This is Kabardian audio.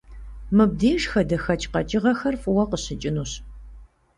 Мыбдеж хадэхэкӀ къэкӀыгъэхэр фӀыуэ къыщыкӀынущ.